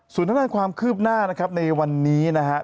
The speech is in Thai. ส่วนด้านความคืบหน้าในวันนี้นะครับ